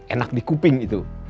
enak di kuping itu